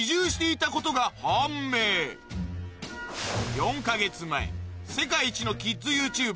４か月前世界一のキッズＹｏｕＴｕｂｅｒ